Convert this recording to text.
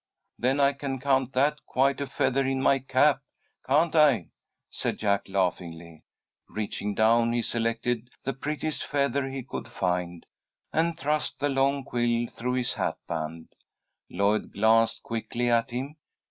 "Then I can count that quite a 'feather in my cap,' can't I," said Jack, laughingly. Reaching down, he selected the prettiest feather he could find, and thrust the long quill through his hatband. Lloyd glanced quickly at him.